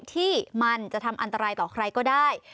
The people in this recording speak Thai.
ที่มันจะทำอันตรายต่อใครก็ได้